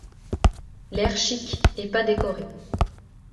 L’air chic et pas décorés.